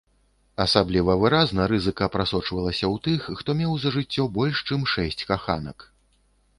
Асабліва выразна рызыка прасочвалася ў тых, хто меў за жыццё больш чым шэсць каханак.